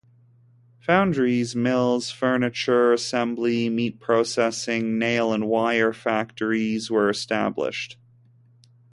Foundries, mills, furniture assembly, meat processing, nail and wire factories were established.